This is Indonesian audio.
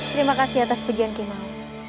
terima kasih atas pegian ki maung